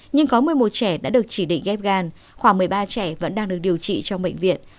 nhưng có một mươi một trẻ đã được chỉ định ghép gan khoảng một mươi ba trẻ vẫn đang được điều trị trong bệnh viện